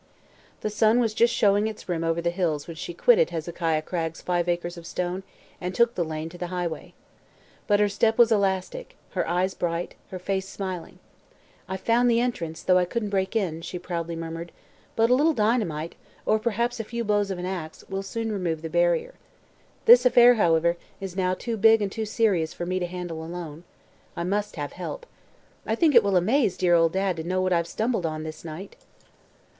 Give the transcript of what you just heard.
The sun was just showing its rim over the hills when she quitted Hezekiah Cragg's five acres of stones and took the lane to the highway. But her step was elastic, her eyes bright, her face smiling. "I've found the entrance, though I couldn't break in," she proudly murmured. "But a little dynamite or perhaps a few blows of an axe will soon remove the barrier. This affair, however, is now too big and too serious for me to handle alone. I must have help. I think it will amaze dear old Dad to know what I've stumbled on this night!"